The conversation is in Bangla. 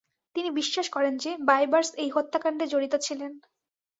তিনি বিশ্বাস করেন যে, বাইবার্স এই হত্যাকান্ডে জড়িত ছিলেন।